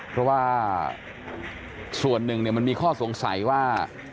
เพราะว่าส่วนหนึ่งมันมีข้อสงสัยว่า